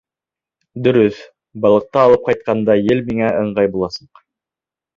Дөрөҫ, балыҡты алып ҡайтҡанда ел миңә ыңғай буласаҡ.